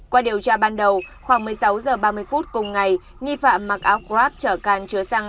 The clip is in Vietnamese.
qua điều tra ban đầu khoảng một mươi sáu h ba mươi cùng ngày nhi phạm mặc áo grab trở can chứa xăng